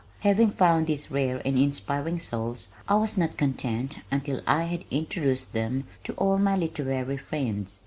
Having found these rare and inspiring souls I was not content until I had introduced them to all my literary friends.